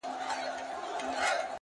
مرگ دی که ژوند دی _